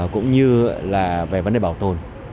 cũng như là về vấn đề bảo tồn